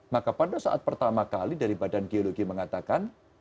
maka pada saat pertama kali dari badan geologi mengatakan